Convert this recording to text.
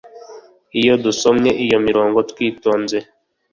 Iyo dusomye iyo mirongo twitonze